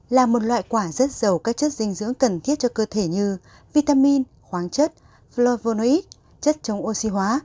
là một loại quả rất giàu các chất dinh dưỡng cần thiết cho cơ thể như vitamin khoáng chất glovonoic chất chống oxy hóa